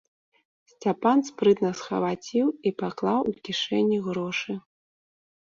Сцяпан спрытна схваціў і паклаў у кішэні грошы.